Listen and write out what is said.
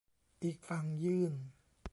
อีกฝั่งยืน